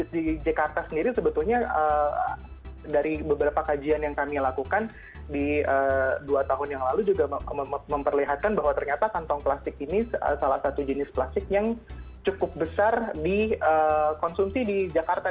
di jakarta sendiri sebetulnya dari beberapa kajian yang kami lakukan di dua tahun yang lalu juga memperlihatkan bahwa ternyata kantong plastik ini salah satu jenis plastik yang cukup besar dikonsumsi di jakarta